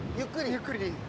ゆっくりでいい。